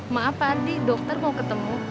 maaf pak andi dokter mau ketemu